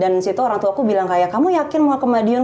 dan disitu orang tuaku bilang kamu yakin mau ke madiun